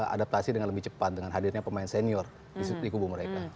adaptasi dengan lebih cepat dengan hadirnya pemain senior di kubu mereka